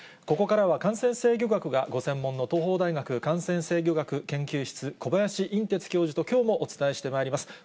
ここからは、感染制御学がご専門の東邦大学感染制御学研究室、小林寅てつ教授ときょうもお伝えしてまいります。